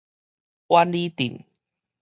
苑裡鎮